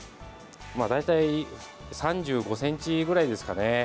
大体３５ｃｍぐらいですかね。